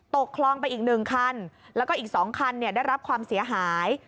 ตกคลองไปอีก๑คันแล้วก็อีก๒คันได้รับความเสียหาย